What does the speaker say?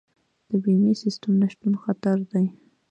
د بیمې سیستم نشتون خطر دی.